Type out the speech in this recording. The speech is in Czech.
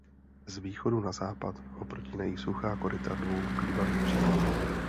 Z východu na západ ho protínají suchá koryta dvou bývalých řek.